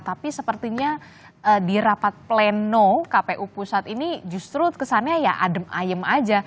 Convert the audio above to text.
tapi sepertinya di rapat pleno kpu pusat ini justru kesannya ya adem ayem aja